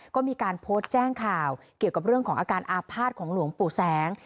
ก็มีการโพสต์แจ้งข่าวเกี่ยวกับเรื่องของอาการอาภาษณ์ของหลวงปู่แสง